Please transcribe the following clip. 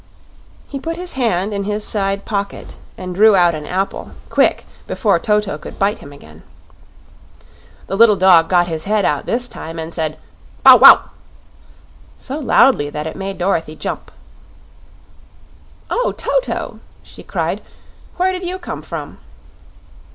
He put his hand in his side pocket and drew out an apple quick, before Toto could bite him again. The little dog got his head out this time and said "Bow wow!" so loudly that it made Dorothy jump. "O, Toto!" she cried; "where did you come from?"